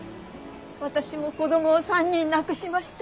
私も子供を３人亡くしました。